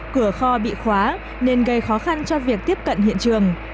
cửa kho bị khóa nên gây khó khăn cho việc tiếp cận hiện trường